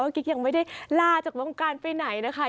กิ๊กยังไม่ได้ลาจากวงการไปไหนนะคะ